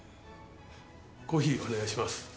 コーヒーお願いします。